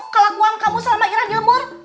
kelakuan kamu selama ira nyumur